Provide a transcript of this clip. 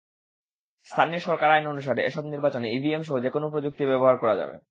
স্থানীয় সরকার আইন অনুসারে এসব নির্বাচনে ইভিএমসহ যেকোনো প্রযুক্তি ব্যবহার করা যাবে।